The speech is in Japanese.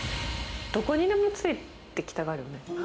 どこにでもついてきたがるよね。